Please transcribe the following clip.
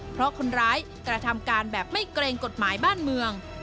เพราะคนร้ายกระทำการแบบไม่เกรงกฎหมายบ้านเมือง